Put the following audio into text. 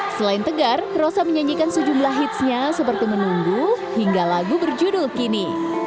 selain tegar rosa menyanyikan sejumlah hitsnya seperti menunggu hingga lagu berjudul kini